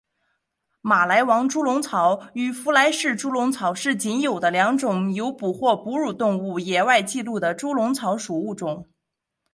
马来王猪笼草与莱佛士猪笼草是仅有的两种有捕获哺乳动物野外记录的猪笼草属物种。